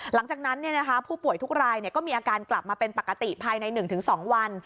หลังจากนั้นผู้ป่วยทุกรายก็มีอาการกลับมาเป็นปกติภายใน๑๒วัน